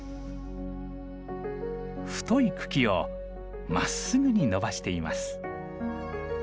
太い茎をまっすぐに伸ばしています。